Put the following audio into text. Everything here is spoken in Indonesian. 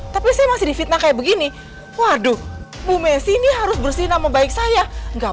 tapi saya masih difitnah kayak begini waduh bu messi ini harus bersih nama baik saya enggak